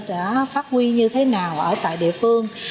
đã phát huy như thế nào ở tại địa phương